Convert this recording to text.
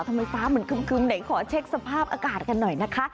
ทำไมฟ้ามันคึ้มไหนขอเช็คสภาพอากาศกันหน่อยนะคะ